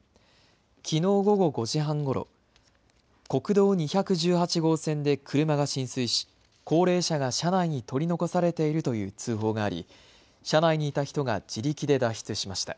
きのう午後５時半ごろ、国道２１８号線で車が浸水し高齢者が車内に取り残されているという通報があり車内にいた人が自力で脱出しました。